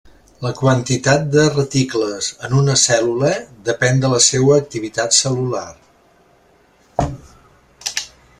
La quantitat de reticles en una cèl·lula depèn de la seua activitat cel·lular.